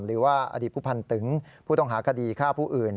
หรือว่าอดีตผู้พันตึงผู้ต้องหาคดีฆ่าผู้อื่น